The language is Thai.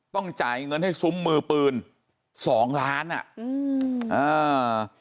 ต้องจ่ายเงินให้ซุ้มมือปืนสองล้านอ่ะอืมอ่า